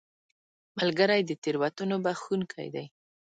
ملګری د تېروتنو بخښونکی دی